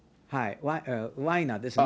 ワイナーですね。